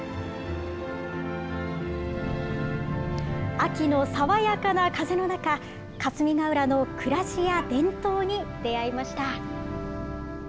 秋の爽やかな風の中、霞ケ浦の暮らしや伝統に出会いました。